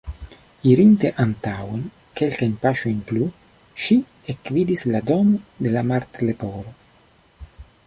Irinte antaŭen kelkajn paŝojn plu, ŝi ekvidis la domon de la Martleporo.